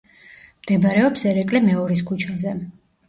მდებარეობს ერეკლე მეორის ქუჩაზე.